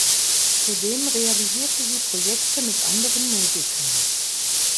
Zudem realisierte sie Projekte mit anderen Musikern.